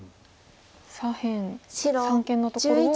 左辺三間のところを。